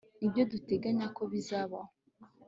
Nibyo duteganya ko bizabaho